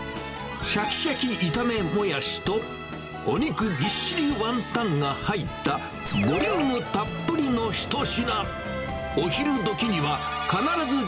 しゃきしゃき炒めモヤシと、お肉ぎっしりワンタンが入ったボリュームたっぷりの一品。